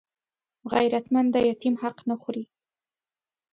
غیرتمند د یتیم حق نه خوړوي